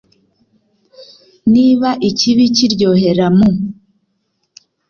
Niba ikibi kiryoherera mu